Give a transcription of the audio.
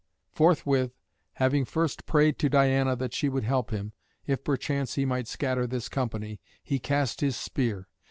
Forthwith, having first prayed to Diana that she would help him, if perchance he might scatter this company, he cast his spear.